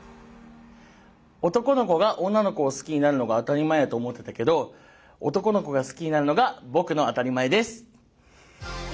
男の子が女の子を好きになるのが当たり前やと思ってたけど男の子が好きになるのが僕の当たり前です。